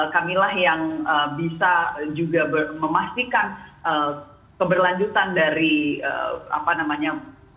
kamilah yang bisa juga memastikan keberlanjutan dari apa namanya